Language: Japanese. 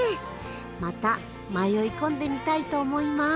また迷い込んでみたいと思います。